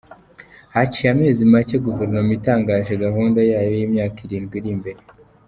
Haciye amezi make Guverinoma itangaje gahunda yayo y’imyaka irindwi iri imbere.